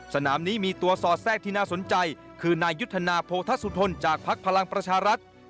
สนามนี้มีตัวสอแซ่งที่น่าสนใจคือนายุทธนาโภทัสุดทนจากพักภารังประชารัติ